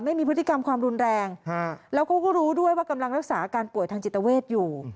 ไม่มีพฤติกรรมความรุนแรงแล้วก็รู้ด้วยว่ากำลังรักษาอาการป่วยทางจิตเวทอยู่